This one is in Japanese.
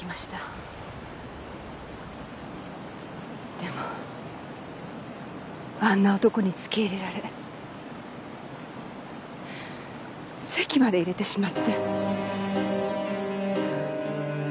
でもあんな男につけ入られ籍まで入れてしまって。